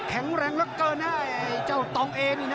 แข็งแรงละเกินนะไอ้เจ้าตองเอน